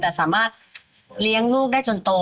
แต่สามารถเลี้ยงลูกได้จนโต